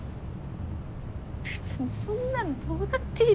別にそんなのどうだっていいでしょ。